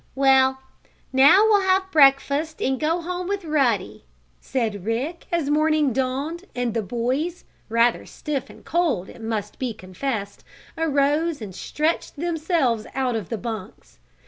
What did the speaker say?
"Well, now we'll have breakfast and go home with Ruddy," said Rick, as morning dawned and the boys, rather stiff and cold it must be confessed, arose and stretched themselves out of the bunks.